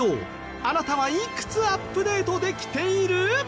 あなたはいくつアップデートできている？